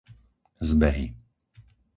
Zbehy